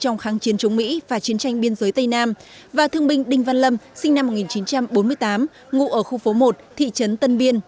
trong kháng chiến chống mỹ và chiến tranh biên giới tây nam và thương binh đinh văn lâm sinh năm một nghìn chín trăm bốn mươi tám ngụ ở khu phố một thị trấn tân biên